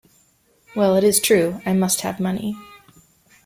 Well, it is true; I must have money.